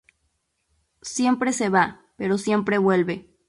Siempre se va, pero siempre vuelve.